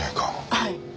はい。